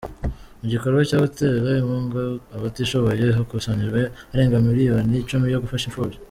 Mu gikorwa cyogutera impunga Abatishoboye hakusanyijwe Arenga Miliyoni Icumi yo gufasha imfubyi